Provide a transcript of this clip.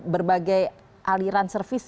berbagai aliran servis